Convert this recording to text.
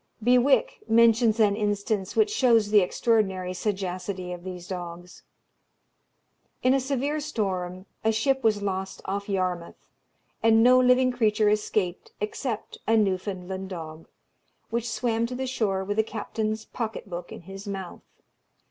Bewick mentions an instance which shows the extraordinary sagacity of these dogs. In a severe storm, a ship was lost off Yarmouth, and no living creature escaped, except a Newfoundland dog, which swam to the shore with the captain's pocket book in his mouth.